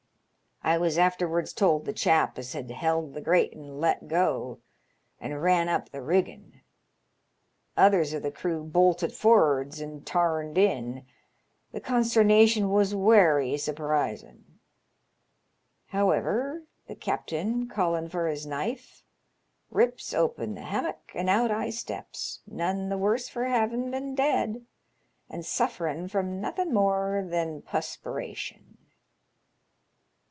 I was afterwards told the chap as had held th' gratin' let go, and ran up th' riggin'. Others o' th' crew bolted forrards, and tarned in. The consternation was werry surprisin*. However, the capt'n, callin' for his knife, rips open the hammock, an' out I steps, none th' worse for bavin' been dead, and sufferin' from nothin' more than pusperation."